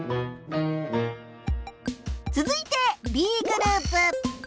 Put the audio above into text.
つづいてＢグループ。